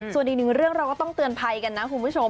ส่วนอีกหนึ่งเรื่องเราก็ต้องเตือนภัยกันนะคุณผู้ชม